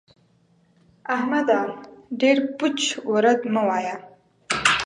احمده! ډېر پوچ و رد مه وايه.